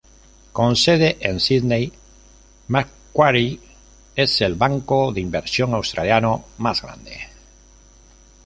Con sede en Sídney, Macquarie es el banco de inversión australiano más grande.